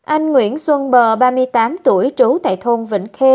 anh nguyễn xuân bờ ba mươi tám tuổi trú tại thôn vĩnh khê